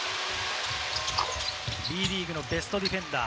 Ｂリーグのベストディフェンダー。